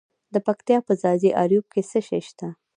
د پکتیا په ځاځي اریوب کې څه شی شته؟